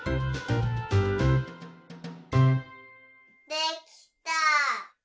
できた！